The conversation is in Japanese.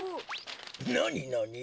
なになに？